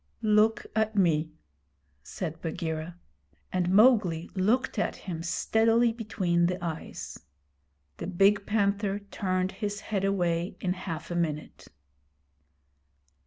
'Look at me,' said Bagheera; and Mowgli looked at him steadily between the eyes. The big panther turned his head away in half a minute.